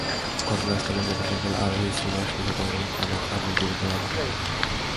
ঘটনাস্থলেই মোটরসাইকেল আরোহী শ্রীভাস নিহত এবং চালক আমির গুরুতর আহত হন।